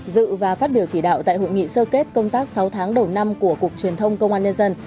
dự và phát biểu chỉ đạo tại hội nghị sơ kết công tác sáu tháng đầu năm của cục truyền thông công an nhân dân